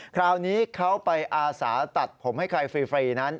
คราวนี้เขาไปอาสาตัดผมให้ใครฟรีนั้น